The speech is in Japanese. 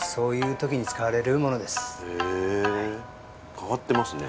変わってますね。